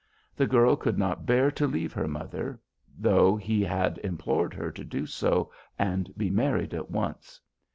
The girl could not bear to leave her mother, though he had implored her to do so and be married at once.